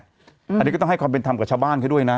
อันนี้ก็ต้องให้ความเป็นธรรมกับชาวบ้านเขาด้วยนะ